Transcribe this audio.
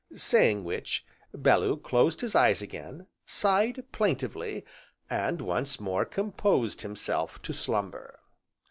Saying which, Bellew closed his eyes again, sighed plaintively, and once more composed himself to slumber.